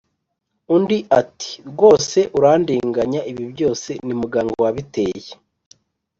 undi ati: “rwose urandenganya ibi byose ni muganga wabiteye!